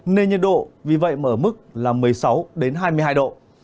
nền nhiệt độ vì vậy mở mức là một mươi sáu đến hai mươi hai độ